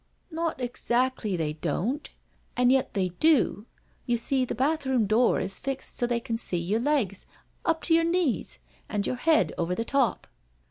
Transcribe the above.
" Not exactly they don't, an' yet they do. You see the bath room door is fixed so they can see your legs up to your knees, and your head over the top."